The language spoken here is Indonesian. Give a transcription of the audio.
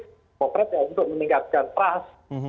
demokrat untuk meningkatkan trust